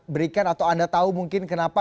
berikan atau anda tahu mungkin kenapa